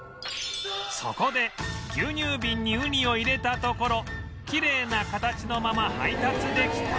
そこで牛乳瓶にウニを入れたところきれいな形のまま配達できた